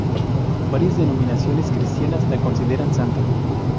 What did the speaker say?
Varias denominaciones cristianas la consideran santa.